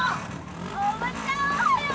おばちゃんおはよう！